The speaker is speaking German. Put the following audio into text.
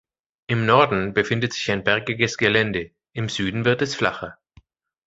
Im Norden befindet sich bergiges Gelände, im Süden wird es flacher.